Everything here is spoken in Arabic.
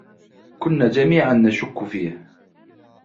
كنا جميعًا نشك فيه.